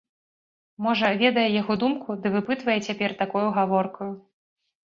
Можа, ведае яго думку ды выпытвае цяпер такою гаворкаю?